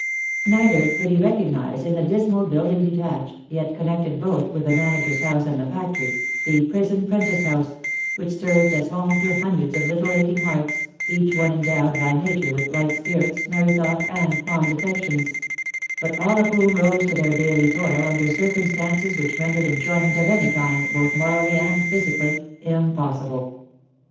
Neither could he recognise in the dismal building detached, yet connected both with the manager's house and the factory, the Prison Prentice house which served as home to hundreds of little aching hearts, each one endowed by nature with light spirits, merry thoughts, and fond affections; but all of whom rose to their daily toil under circumstances which rendered enjoyment of any kind both morally and physically impossible.